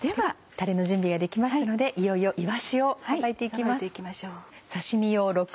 たれの準備ができましたのでいよいよいわしをさばいて行きます。